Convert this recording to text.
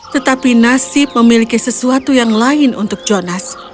tetapi nasib memiliki sesuatu yang lain untuk jonas